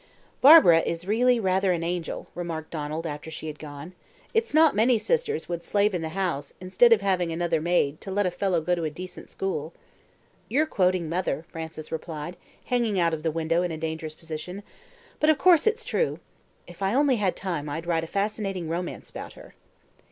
"Barbara is really rather an angel," remarked Donald after she had gone. "It's not many sisters would slave in the house, instead of having another maid, to let a fellow go to a decent school." "You're quoting mother," Frances replied, hanging out of the window in a dangerous position; "but, of course, it's true. If I only had time I'd write a fascinating romance about her."